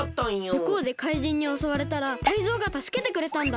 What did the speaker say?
むこうでかいじんにおそわれたらタイゾウがたすけてくれたんだ。